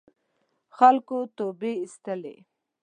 خلکو توبې اېستلې.